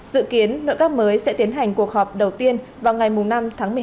dự kiến nội các mới sẽ tiến hành cuộc họp đầu tiên vào ngày năm tháng một mươi một